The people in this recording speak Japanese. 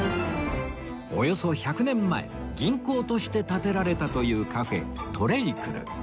およそ１００年前銀行として建てられたというカフェ ＴＲＡＹＣＬＥ